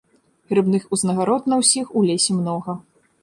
Грыбных узнагарод на ўсіх у лесе многа.